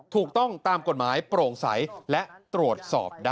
ถูกต้องตามกฎหมายโปร่งใสและตรวจสอบได้